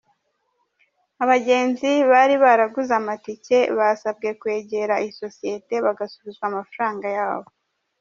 Abagenzi bari baraguze amatike basabwe kwegera iyi sosiyete bagasubizwa amafaranga yabo.